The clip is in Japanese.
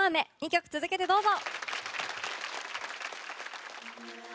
２曲続けて、どうぞ。